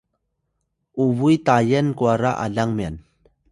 ubuy Tayal kwara alang myan